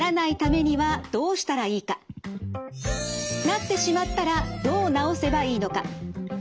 なってしまったらどう治せばいいのか？